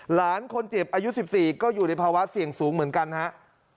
หลานคนเจ็บอายุ๑๔ก็อยู่ในภาวะเสี่ยงสูงเหมือนกันฮะ